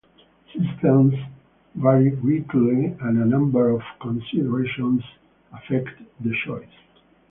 Systems vary greatly and a number of considerations affect the choice.